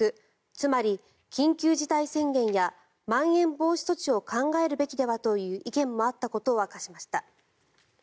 つまり緊急事態宣言やまん延防止措置を考えるべきではという意見があったことも明かしました。